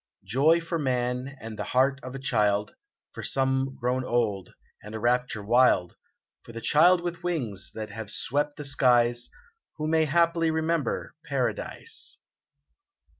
Joy for man, and the heart of a child For some grown old, and a rapture wild For the child with wings that have swept the skies, Who may haply remember Paradise